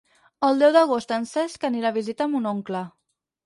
El deu d'agost en Cesc anirà a visitar mon oncle.